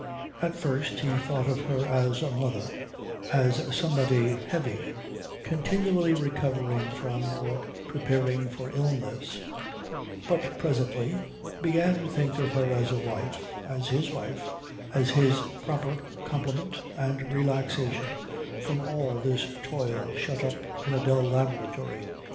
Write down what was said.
At first he thought of her as a mother, as somebody heavy, continually recovering from or preparing for illness; but presently he began to think of her as a wife, as his wife, as his proper complement and relaxation from all this toil shut up in a dull laboratory.